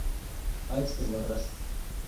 愛知県岩倉市